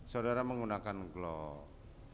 saudara menggunakan glock